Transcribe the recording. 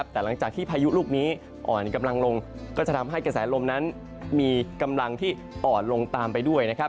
แต่หลังจากที่พายุลูกนี้อ่อนกำลังลงก็จะทำให้กระแสลมนั้นมีกำลังที่อ่อนลงตามไปด้วยนะครับ